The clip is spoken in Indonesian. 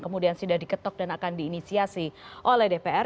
kemudian sudah diketok dan akan diinisiasi oleh dpr